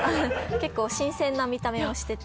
結構新鮮な見た目をしてて。